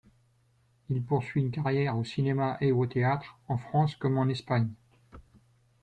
Il poursuit une carrière au cinéma et au théâtre en France comme en Espagne.